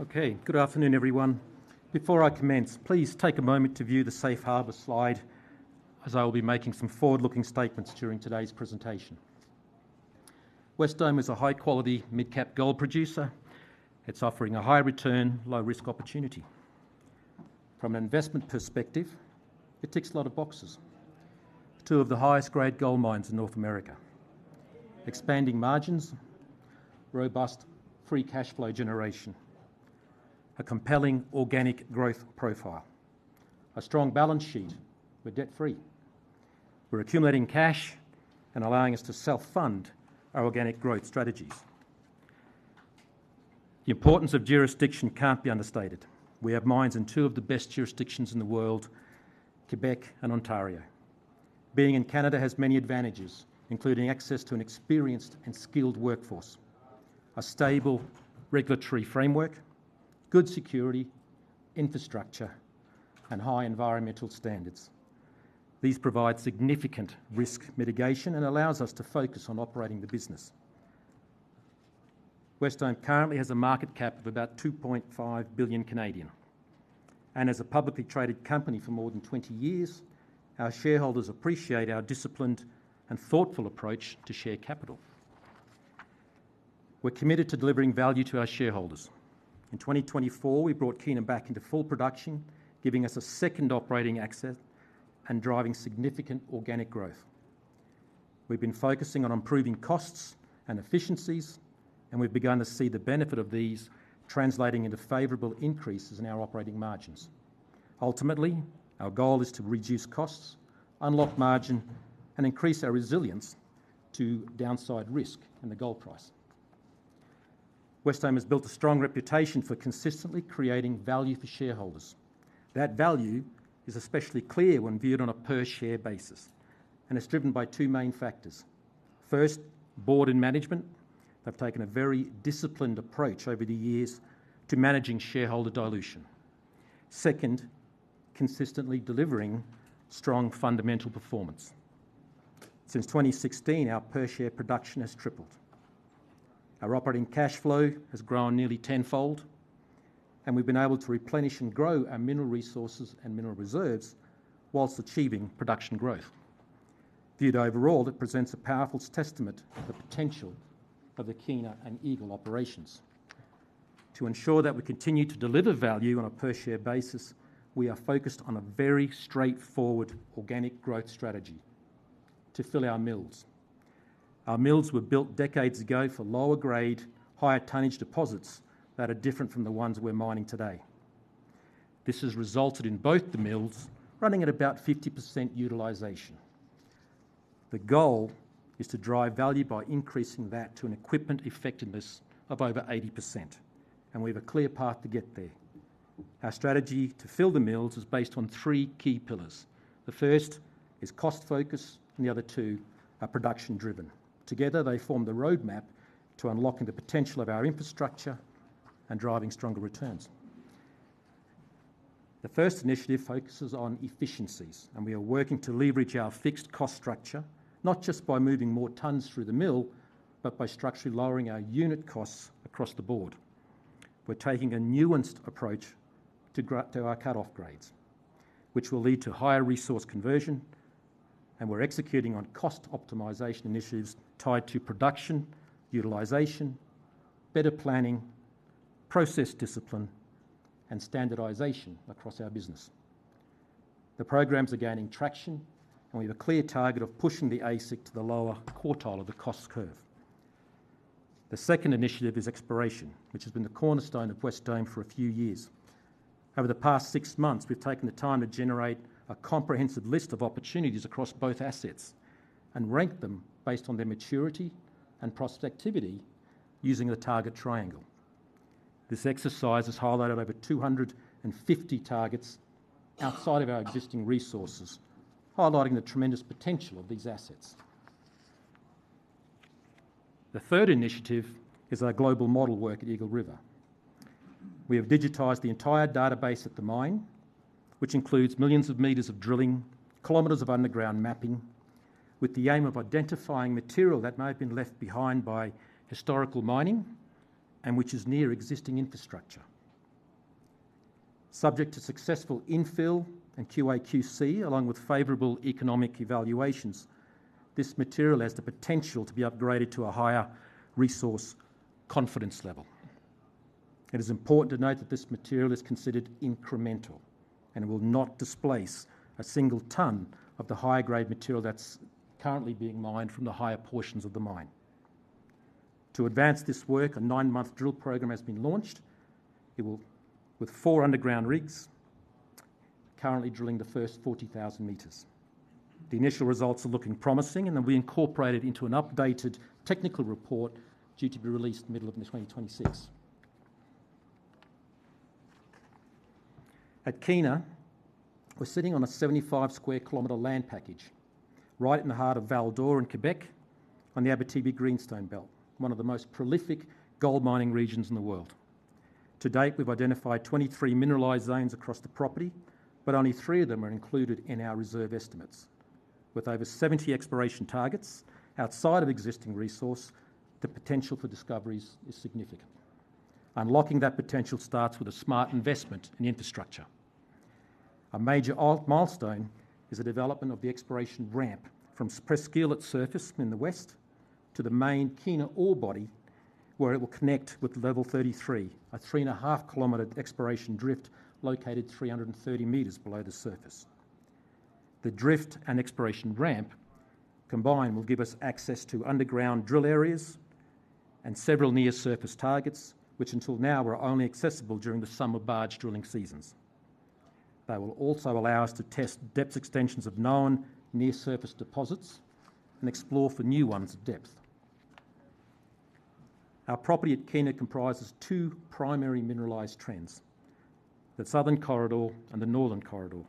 Okay, good afternoon everyone. Before I commence, please take a moment to view the Safe Harbour slide, as I will be making some forward-looking statements during today's presentation. Wesdome is a high-quality mid-cap gold producer. It's offering a high return, low-risk opportunity. From an investment perspective, it ticks a lot of boxes: two of the highest-grade gold mines in North America, expanding margins, robust free cash flow generation, a compelling organic growth profile, a strong balance sheet. We're debt-free. We're accumulating cash and allowing us to self-fund our organic growth strategies. The importance of jurisdiction can't be understated. We have mines in two of the best jurisdictions in the world, Quebec and Ontario. Being in Canada has many advantages, including access to an experienced and skilled workforce, a stable regulatory framework, good security, infrastructure, and high environmental standards. These provide significant risk mitigation and allow us to focus on operating the business. Wesdome currently has a market cap of about 2.5 billion, and as a publicly traded company for more than 20 years, our shareholders appreciate our disciplined and thoughtful approach to share capital. We're committed to delivering value to our shareholders. In 2024, we brought Kiena back into full production, giving us a second operating access and driving significant organic growth. We've been focusing on improving costs and efficiencies, and we've begun to see the benefit of these translating into favorable increases in our operating margins. Ultimately, our goal is to reduce costs, unlock margin, and increase our resilience to downside risk in the gold price. Wesdome has built a strong reputation for consistently creating value for shareholders. That value is especially clear when viewed on a per-share basis, and it's driven by two main factors. First, board and management have taken a very disciplined approach over the years to managing shareholder dilution. Second, consistently delivering strong fundamental performance. Since 2016, our per-share production has tripled. Our operating cash flow has grown nearly tenfold, and we've been able to replenish and grow our mineral resources and mineral reserves whilst achieving production growth. Viewed overall, it presents a powerful testament to the potential of the Kiena and Eagle operations. To ensure that we continue to deliver value on a per-share basis, we are focused on a very straightforward organic growth strategy to fill our mills. Our mills were built decades ago for lower-grade, higher-tonnage deposits that are different from the ones we're mining today. This has resulted in both the mills running at about 50% utilization. The goal is to drive value by increasing that to an equipment effectiveness of over 80%, and we have a clear path to get there. Our strategy to fill the mills is based on three key pillars. The first is cost focus, and the other two are production-driven. Together, they form the roadmap to unlocking the potential of our infrastructure and driving stronger returns. The first initiative focuses on efficiencies, and we are working to leverage our fixed cost structure, not just by moving more tons through the mill, but by structurally lowering our unit costs across the board. We're taking a nuanced approach to our cut-off grades, which will lead to higher resource conversion, and we're executing on cost optimization initiatives tied to production, utilization, better planning, process discipline, and standardization across our business. The programs are gaining traction, and we have a clear target of pushing the AISC to the lower quartile of the cost curve. The second initiative is exploration, which has been the cornerstone of Wesdome for a few years. Over the past six months, we've taken the time to generate a comprehensive list of opportunities across both assets and rank them based on their maturity and prospectivity using the Target Triangle. This exercise has highlighted over 250 targets outside of our existing resources, highlighting the tremendous potential of these assets. The third initiative is our global model work at Eagle River. We have digitized the entire database at the mine, which includes millions of meters of drilling, kilometers of underground mapping, with the aim of identifying material that may have been left behind by historical mining and which is near existing infrastructure. Subject to successful infill and QAQC, along with favorable economic evaluations, this material has the potential to be upgraded to a higher resource confidence level. It is important to note that this material is considered incremental and will not displace a single tonne of the high-grade material that's currently being mined from the higher portions of the mine. To advance this work, a nine-month drill program has been launched. It will, with four underground rigs, currently drilling the first 40,000 metres. The initial results are looking promising, and they'll be incorporated into an updated technical report due to be released in the middle of 2026. At Kiena, we're sitting on a 75 sq km land package right in the heart of Val-d'Or in Quebec, on the Abitibi-Greenstone Belt, one of the most prolific gold mining regions in the world. To date, we've identified 23 mineralized zones across the property, but only three of them are included in our reserve estimates. With over 70 exploration targets outside of existing resource, the potential for discoveries is significant. Unlocking that potential starts with a smart investment in infrastructure. A major milestone is the development of the exploration ramp from Presqu'île surface in the west to the main Kiena ore body, where it will connect with Level 33, a three-and-a-half-kilometer exploration drift located 330 meters below the surface. The drift and exploration ramp combined will give us access to underground drill areas and several near-surface targets, which until now were only accessible during the summer barge drilling seasons. They will also allow us to test depth extensions of known near-surface deposits and explore for new ones at depth. Our property at Kiena comprises two primary mineralized trends: the southern corridor and the northern corridor.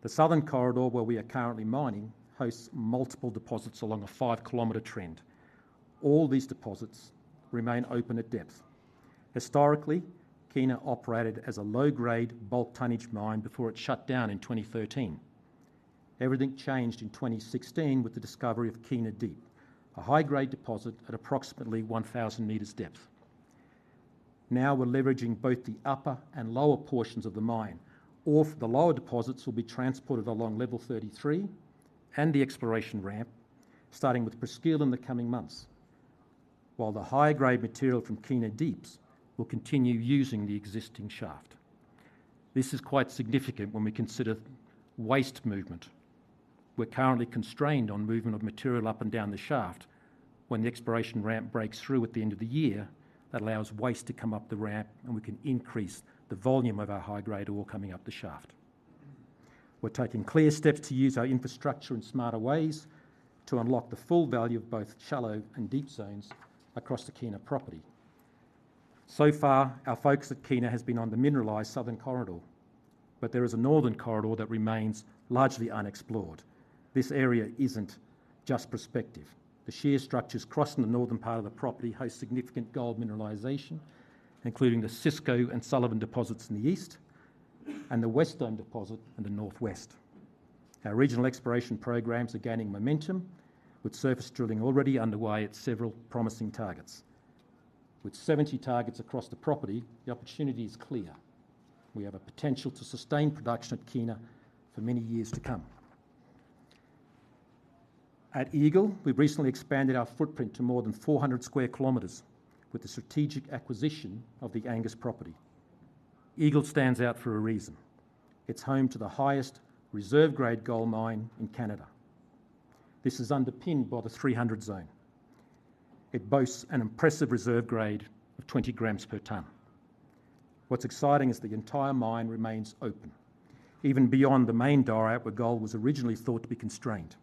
The southern corridor, where we are currently mining, hosts multiple deposits along a five-kilometer trend. All these deposits remain open at depth. Historically, Kiena operated as a low-grade, bulk-tonnage mine before it shut down in 2013. Everything changed in 2016 with the discovery of Kiena Deep, a high-grade deposit at approximately 1,000 meters depth. Now we're leveraging both the upper and lower portions of the mine. The lower deposits will be transported along Level 33 and the exploration ramp, starting with Presqu'île in the coming months, while the high-grade material from Kiena Deeps will continue using the existing shaft. This is quite significant when we consider waste movement. We're currently constrained on movement of material up and down the shaft. When the exploration ramp breaks through at the end of the year, that allows waste to come up the ramp, and we can increase the volume of our high-grade ore coming up the shaft. We're taking clear steps to use our infrastructure in smarter ways to unlock the full value of both shallow and deep zones across the Kiena property. So far, our focus at Kiena has been on the mineralized southern corridor, but there is a northern corridor that remains largely unexplored. This area isn't just prospective. The shear structures crossing the northern part of the property host significant gold mineralization, including the Siscoe and Sullivan deposits in the east and the Wesdome Deposit in the northwest. Our regional exploration programs are gaining momentum, with surface drilling already underway at several promising targets. With 70 targets across the property, the opportunity is clear. We have a potential to sustain production at Kiena for many years to come. At Eagle, we've recently expanded our footprint to more than 400 square kilometers with the strategic acquisition of the Angus Property. Eagle stands out for a reason. It's home to the highest reserve-grade gold mine in Canada. This is underpinned by the 300 Zone. It boasts an impressive reserve grade of 20 grams per tonne. What's exciting is the entire mine remains open, even beyond the main diorite where gold was originally thought to be constrained.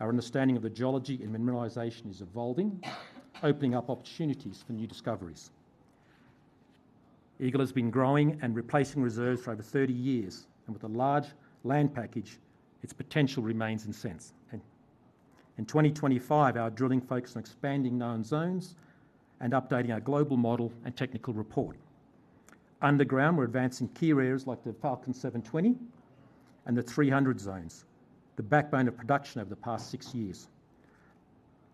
Our understanding of the geology and mineralization is evolving, opening up opportunities for new discoveries. Eagle has been growing and replacing reserves for over 30 years, and with a large land package, its potential remains intense. In 2025, our drilling focused on expanding known zones and updating our global model and technical report. Underground, we're advancing key areas like the Falcon 7 Zone and the 300 Zone, the backbone of production over the past six years.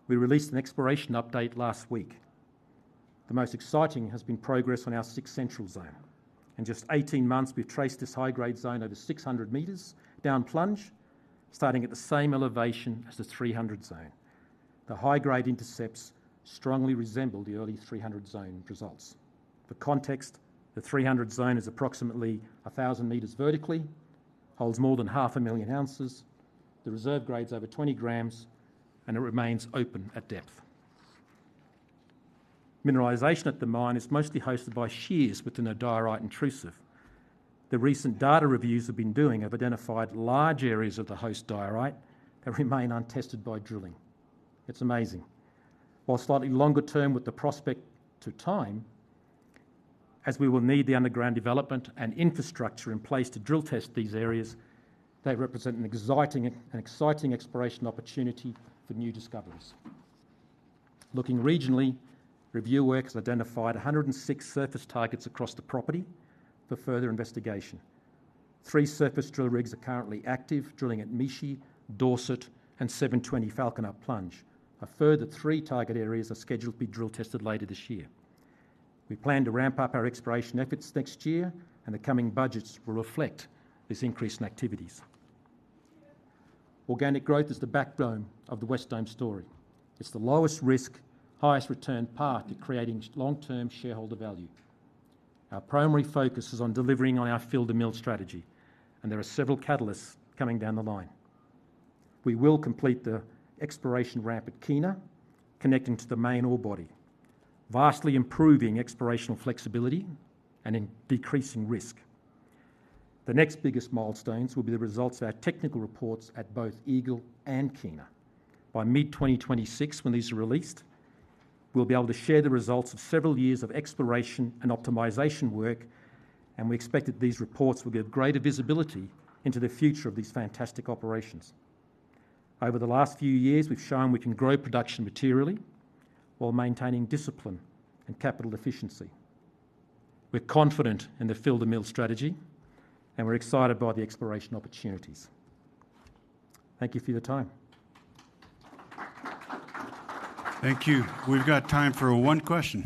We released an exploration update last week. The most exciting has been progress on our Zone 6 Central. In just 18 months, we've traced this high-grade zone over 600 meters down plunge, starting at the same elevation as the 300 Zone. The high-grade intercepts strongly resemble the early 300 Zone results. For context, the 300 Zone is approximately 1,000 meters vertically, holds more than 500,000 ounces, the reserve grade's over 20 grams, and it remains open at depth. Mineralization at the mine is mostly hosted by shears within a diorite intrusive. The recent data reviews we've been doing have identified large areas of the host diorite that remain untested by drilling. It's amazing. While slightly longer term with the prospect to time, as we will need the underground development and infrastructure in place to drill test these areas, they represent an exciting exploration opportunity for new discoveries. Looking regionally, review work has identified 106 surface targets across the property for further investigation. Three surface drill rigs are currently active, drilling at Mishi, Dorset, and Falcon 720 up plunge. A further three target areas are scheduled to be drill tested later this year. We plan to ramp up our exploration efforts next year, and the coming budgets will reflect this increase in activities. Organic growth is the backbone of the Wesdome story. It's the lowest risk, highest return path to creating long-term shareholder value. Our primary focus is on delivering on our Fill the Mill strategy, and there are several catalysts coming down the line. We will complete the exploration ramp at Kiena, connecting to the main ore body, vastly improving exploration flexibility and decreasing risk. The next biggest milestones will be the results of our technical reports at both Eagle and Kiena. By mid-2026, when these are released, we'll be able to share the results of several years of exploration and optimization work, and we expect that these reports will give greater visibility into the future of these fantastic operations. Over the last few years, we've shown we can grow production materially while maintaining discipline and capital efficiency. We're confident in the Fill the Mill strategy, and we're excited by the exploration opportunities. Thank you for your time. Thank you. We've got time for one question.